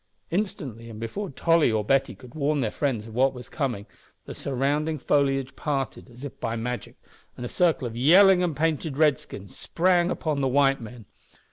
Instantly, and before Tolly or Betty could warn their friends of what was coming, the surrounding foliage parted, as if by magic, and a circle of yelling and painted Redskins sprang upon the white men.